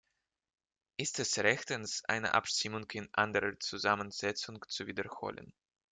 Ist es rechtens, eine Abstimmung in anderer Zusammensetzung zu wiederholen?